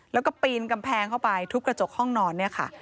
แล้วก็ปีนกำแพงเข้าไปทุบกระจกห้องนอนเนี่ยค่ะ